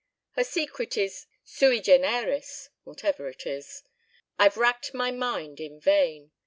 Her secret is sui generis, whatever it is. I've racked my mind in vain.